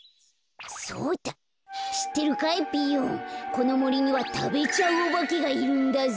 このもりにはたべちゃうおばけがいるんだぞ。